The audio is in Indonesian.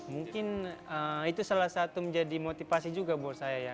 mungkin itu salah satu menjadi motivasi juga buat saya ya